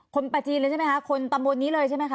คนประจีนเลยเนี่ยที่นี่เลยใช่มั้ยคะ